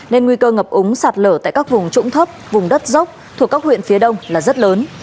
nên nguy cơ ngập úng sạt lở tại các vùng trũng thấp vùng đất dốc thuộc các huyện phía đông là rất lớn